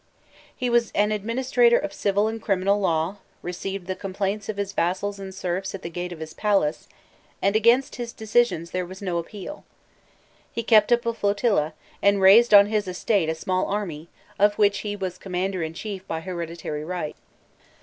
He was an administrator of civil and criminal law, received the complaints of his vassals and serfs at the gate of his palace, and against his decisions there was no appeal. He kept up a flotilla, and raised on his estate a small army, of which he was commander in chief by hereditary right.